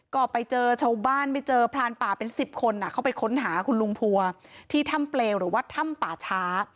ก็ไปเจอชาวบ้านไปเจอพรานป่าเป็นสิบคนเข้าไปค้นหาคุณลุงพัวที่ถ้ำเปลวหรือว่าถ้ำป่าช้า